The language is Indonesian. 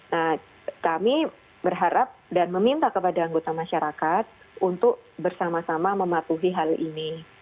nah kami berharap dan meminta kepada anggota masyarakat untuk bersama sama mematuhi hal ini